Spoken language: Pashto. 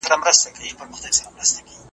غازي د چا وو یتیم څوک وو پلار یې چا وژلی؟ .